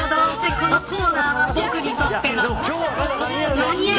このコーナーは、僕にとっては。